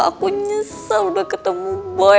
aku nyesel udah ketemu boy